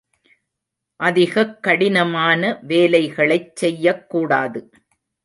அதிகக் கடினமான வேலைகளைச் செய்யக் கூடாது.